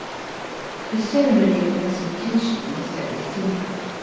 The ceremony of presentation was very simple.